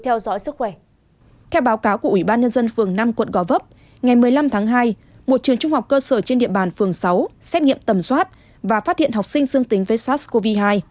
theo báo cáo của ủy ban nhân dân phường năm quận gò vấp ngày một mươi năm tháng hai một trường trung học cơ sở trên địa bàn phường sáu xét nghiệm tầm soát và phát hiện học sinh dương tính với sars cov hai